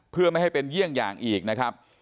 เพื่อไม่ให้เป็นเยี่ยงอย่างอีกนะครับ